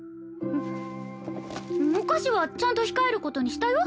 お菓子はちゃんと控える事にしたよ。